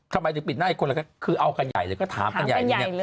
ทำไมถึงปิดหน้าอีกคนล่ะคะคือเอากันใหญ่หรือถามกันใหญ่